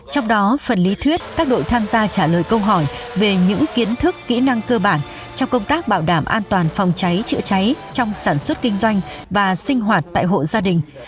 trong đó phần lý thuyết các đội tham gia trả lời câu hỏi về những kiến thức kỹ năng cơ bản trong công tác bảo đảm an toàn phòng cháy chữa cháy trong sản xuất kinh doanh và sinh hoạt tại hộ gia đình